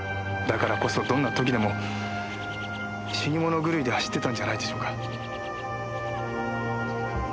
だからこそどんな時でも死に物狂いで走ってたんじゃないでしょうか。